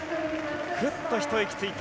ふっと一息ついた。